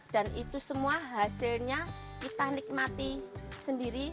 itu semua hasilnya kita nikmati sendiri